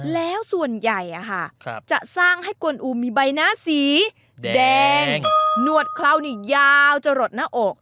แล้วส่วนใหญ่อ่ะค่ะครับจะสร้างให้กวนอูมีใบหน้าสีแดงนวดคลาวนี่ยาวจะหรดหน้าอก